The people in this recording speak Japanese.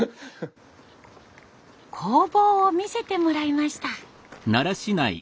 工房を見せてもらいました。